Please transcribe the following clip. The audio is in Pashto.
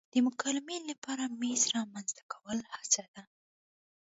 د مکالمې لپاره میز رامنځته کول هڅه ده.